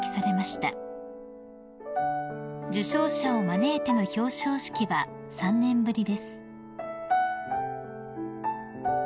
［受賞者を招いての表彰式は３年ぶりです］